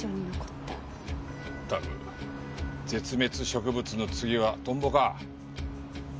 ったく絶滅植物の次はトンボか。